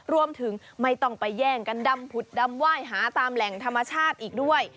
ไม่ต้องไปแย่งกันดำผุดดำไหว้หาตามแหล่งธรรมชาติอีกด้วย